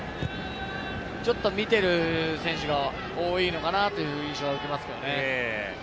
ちゃんと見てる選手が多いのかなという印象を受けますよね。